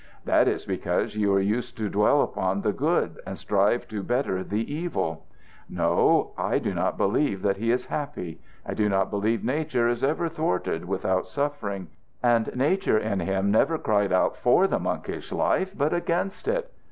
"That is because you are used to dwell upon the good, and strive to better the evil. No; I do not believe that he is happy. I do not believe nature is ever thwarted without suffering, and nature in him never cried out for the monkish life, but against it.